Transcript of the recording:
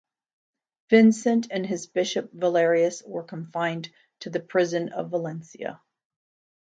Vincent and his bishop Valerius were confined to the prison of Valencia.